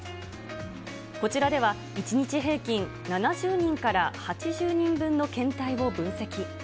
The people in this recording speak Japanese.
こちらでは、１日平均７０人から８０人分の検体を分析。